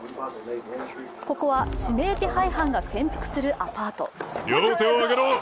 ここは指名手配犯が潜伏するアパート。